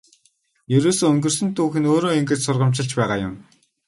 Ерөөсөө өнгөрсөн түүх нь өөрөө ингэж сургамжилж байгаа юм.